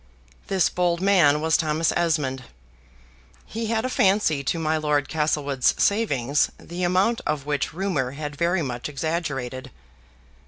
This bold man was Thomas Esmond. He had a fancy to my Lord Castlewood's savings, the amount of which rumor had very much exaggerated.